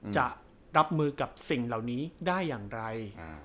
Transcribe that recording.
จะรับมือกับสิ่งเหล่านี้ได้อย่างไร